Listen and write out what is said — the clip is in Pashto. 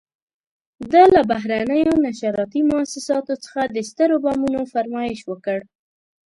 ده له بهرنیو نشراتي موسساتو څخه د سترو بمونو فرمایش وکړ.